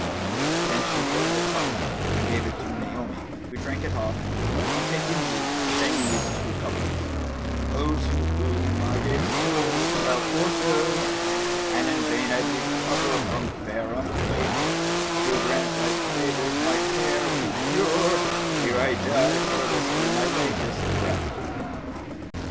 Then she filled the cup and gave it to Naomi, who drank it off and taking the lute, sang these two couplets, "O to whom I gave soul which thou tortures", * And in vain I'd recover from fair Unfaith Do grant thy favours my care to cure * Ere I die, for this be my latest breath."